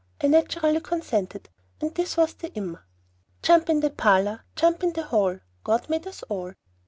I naturally consented, and this was the IM. Jump in the parlor, Jump in the hall, God made us all!